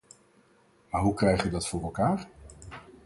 Maar hoe krijgen we dat voor elkaar?